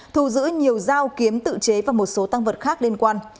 thu giữ nhiều dao kiếm tự chế và một số tăng vật khác liên quan